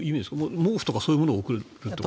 毛布とかそういうものを送るとか？